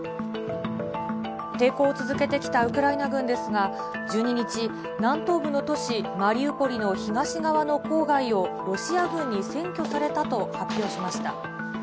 抵抗を続けてきたウクライナ軍ですが、１２日、南東部の都市マリウポリの東側の郊外をロシア軍に占拠されたと発表しました。